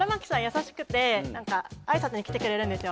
優しくてあいさつに来てくれるんですよ